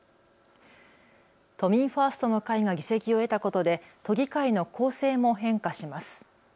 都民ファーストの会が議席を得たことで都議会の構成も変化します。